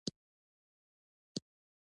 د هنر په برخه کي ځوانان فرصتونه لري.